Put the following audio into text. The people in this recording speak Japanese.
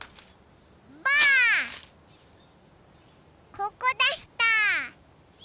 ここでした！